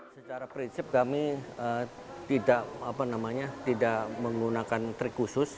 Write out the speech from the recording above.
secara prinsip kami tidak menggunakan trik khusus